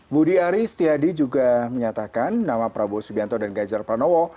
budi aris setiadi juga menyatakan nama prabowo subianto dan ganjar pranowo